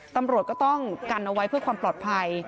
ตำรวจก็ต้องกันเอาไว้เพื่อความปลอดภัย